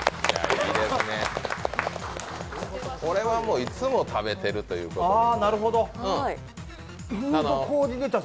これはもう、いつも食べてるということで。